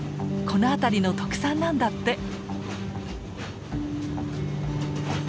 この辺りの特産なんだって。